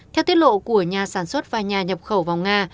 theo tiết lộ của nhà sản xuất và nhà nhập khẩu vào nga